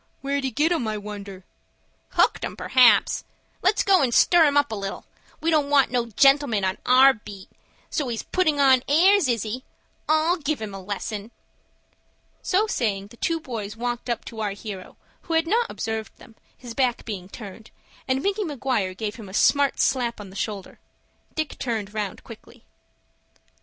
"Where'd he get 'em, I wonder?" "Hooked 'em, p'raps. Let's go and stir him up a little. We don't want no gentlemen on our beat. So he's puttin' on airs,—is he? I'll give him a lesson." So saying the two boys walked up to our hero, who had not observed them, his back being turned, and Micky Maguire gave him a smart slap on the shoulder. Dick turned round quickly.